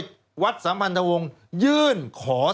สวัสดีค่ะต้อนรับคุณบุษฎี